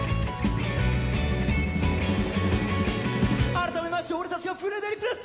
あらためまして俺たちがフレデリックです。